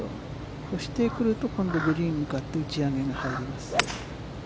越してくると、今度、グリーンに向かって打ち上げが入ります。